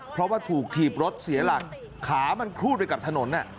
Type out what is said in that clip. เพราะว่าถูกถีบรถเสียหลักขามันครูดไปกับถนน